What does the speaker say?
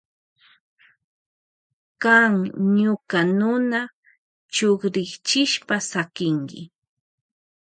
Kan ñuka nuna chukrichishpa sakinki.